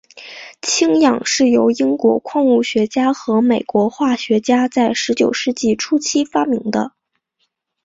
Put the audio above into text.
氢氧是由英国矿物学家和美国化学家在十九世纪初期发明的。